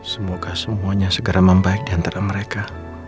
semoga semuanya segera membaik diantara mereka